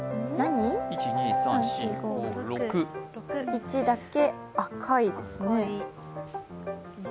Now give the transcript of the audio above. １だけ赤いですね。